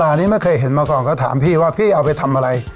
แล้วก็ลองทำตัวนี้มาใช้